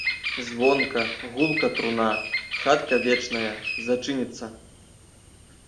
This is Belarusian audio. Звонка, гулка труна, хатка вечная, зачыніцца.